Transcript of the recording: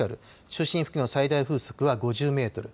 中心付近の最大風速は５０メートル